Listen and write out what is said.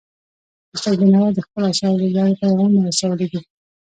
استاد بینوا د خپلو اثارو له لارې پیغامونه رسولي دي.